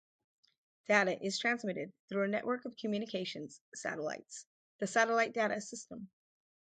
Data is transmitted through a network of communications satellites; the Satellite Data System.